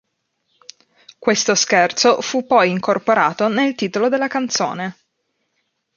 Questo scherzo fu poi incorporato nel titolo della canzone.